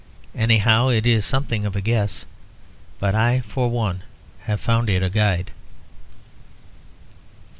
Anyhow, it is something of a guess; but I for one have found it a guide.